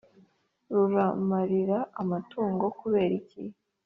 ruramarira amatungo kubera iki?"